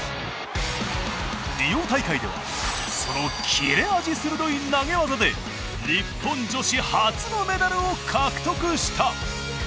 リオ大会ではその切れ味鋭い投げ技で日本女子初のメダルを獲得した。